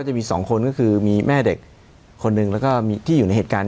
จะมีสองคนก็คือมีแม่เด็กคนหนึ่งแล้วก็ที่อยู่ในเหตุการณ์